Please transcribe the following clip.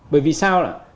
bởi vì sao